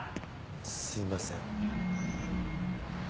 すいません。